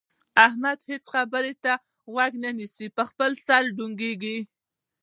احمد د هيچا خبرې ته غوږ نه نيسي؛ پر خپل سر يې ډنګوي.